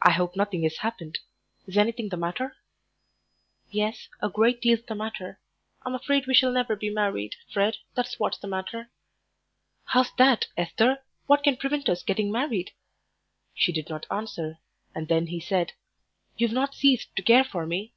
"I hope nothing has happened. Is anything the matter?" "Yes, a great deal's the matter. I'm afraid we shall never be married, Fred, that's what's the matter." "How's that, Esther? What can prevent us getting married?" She did not answer, and then he said, "You've not ceased to care for me?"